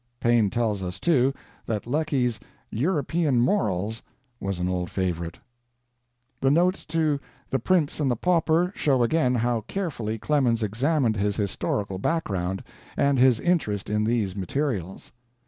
Paine tells us, too, that Lecky's 'European Morals' was an old favorite. The notes to 'The Prince and the Pauper' show again how carefully Clemens examined his historical background, and his interest in these materials.